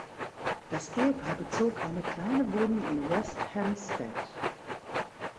Das Ehepaar bezog eine kleine Wohnung in West Hampstead.